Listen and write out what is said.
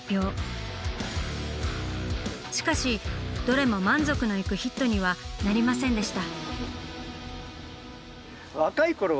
しかしどれも満足のいくヒットにはなりませんでした。